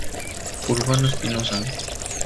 Urbano Espinosa.